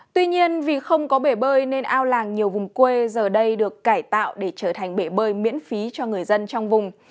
tuy nhiên vì không có bể bơi nên ao làng nhiều vùng quê giờ đây được cải tạo để trở thành bể bơi miễn phí cho người dân trong vùng